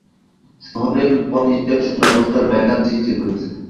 শহরের পয়োনিষ্কাশন ব্যবস্থায় ব্যাঘাত সৃষ্টি করছে।